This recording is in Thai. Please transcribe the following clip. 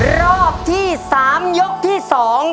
รอบที่สามยกที่สอง